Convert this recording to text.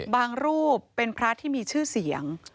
รูปเป็นพระที่มีชื่อเสียง